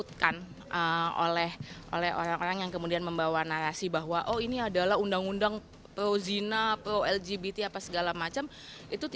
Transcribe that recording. bahkan kemudian mengada ada itu hoaks gitu